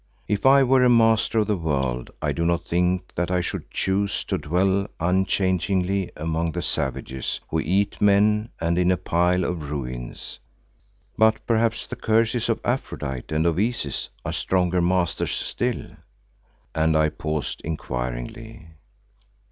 If I were a master of the world I do not think that I should choose to dwell unchangingly among savages who eat men and in a pile of ruins. But perhaps the curses of Aphrodite and of Isis are stronger masters still?" and I paused inquiringly.